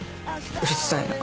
うるさいな。